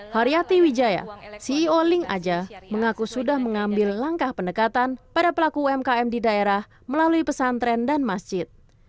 haryati wijaya ceo link aja mengaku sudah mengambil langkah pendekatan pada pelaku umkm di daerah melalui pesantren dan masjid